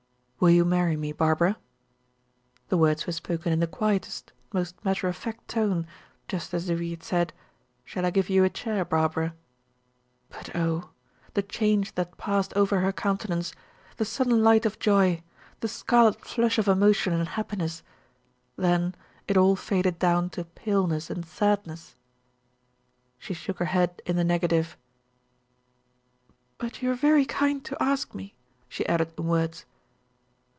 "Will you marry me, Barbara?" The words were spoken in the quietest, most matter of fact tone, just as if he had said, "Shall I give you a chair, Barbara?" But, oh! The change that passed over her countenance! The sudden light of joy! The scarlet flush of emotion and happiness. Then it all faded down to paleness and sadness. She shook her head in the negative. "But you are very kind to ask me," she added in words.